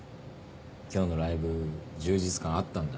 今日のライブ充実感あったんだ？